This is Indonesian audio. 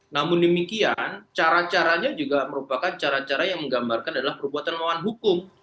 namun demikian cara caranya juga merupakan cara cara yang menggambarkan adalah perbuatan melawan hukum